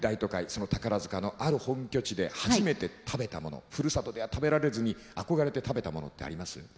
その宝塚のある本拠地で初めて食べたものふるさとでは食べられずに憧れて食べたものってあります？